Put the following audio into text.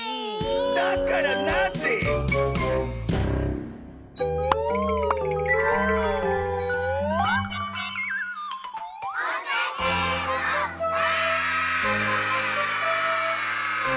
だからなぜ⁉わあ！